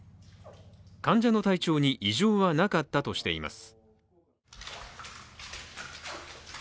患者の体調に異常はなかったとしています。